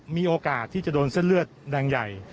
มีโอกาสที่จะโดนเส้นเลือดแดงใหญ่